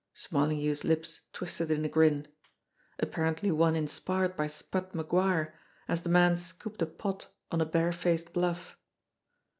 Smarlinghue's lips twisted in a grin apparently one in spired by Spud MacGuire as the man scooped a pot on a barefaced bluff.